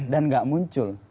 dan gak muncul